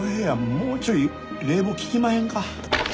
もうちょい冷房効きまへんか？